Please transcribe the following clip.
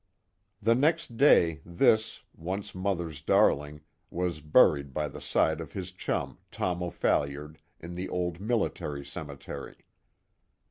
The next day, this, once mother's darling, was buried by the side of his chum, Tom O'Phalliard, in the old military cemetery.